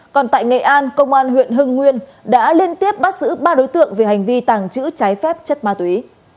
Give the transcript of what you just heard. còn tại nghệ an công an huyện hưng nguyên đã liên tiếp bắt giữ ba đối tượng về hành vi tàng trữ trái phép chất ma túy